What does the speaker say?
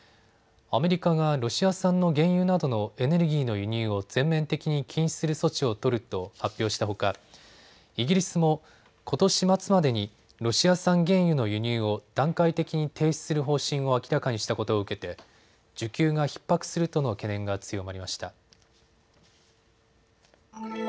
アメリカがロシア産の原油などのエネルギーの輸入を全面的に禁止する措置を取ると発表したほかイギリスもことし末までにロシア産原油の輸入を段階的に停止する方針を明らかにしたことを受けて需給がひっ迫するとの懸念が強まりました。